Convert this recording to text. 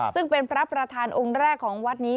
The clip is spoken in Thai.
ซึ่งเป็นพระประธานองค์แรกของวัดนี้